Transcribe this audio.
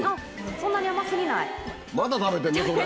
そんなに甘過ぎない？